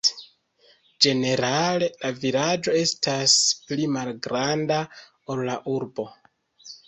Ĝenerale la vilaĝo estas pli malgranda, ol la urbo.